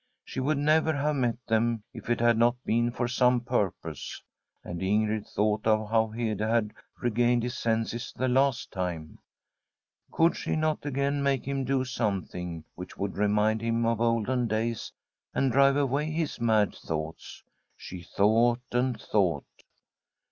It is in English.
She would never have met them if it had not been for some purpose. And Ingrid thought of how Hede had regained his senses the last time. Could she not again make him do some thing which would remind him of olden days, and drive away his mad thoughts? She thought and thought.